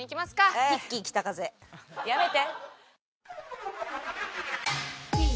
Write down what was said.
やめて。